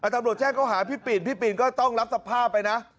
ตำรวจแจ้งเขาหาพี่ปีนพี่ปีนก็ต้องรับสภาพไปนะ